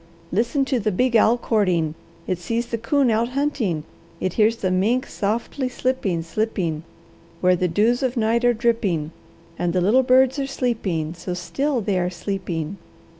Listen to the big owl courting; it sees the coon out hunting, it hears the mink softly slipping, slipping, where the dews of night are dripping. And the little birds are sleeping, so still they are sleeping.